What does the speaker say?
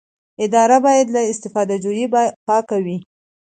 اداره باید له استفاده جویۍ پاکه وي.